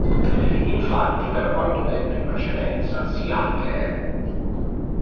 Infatti per quanto detto in precedenza si ha che